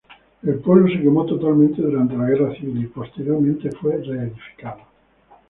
El pueblo se quemó totalmente durante la guerra civil, y posteriormente fue reedificado.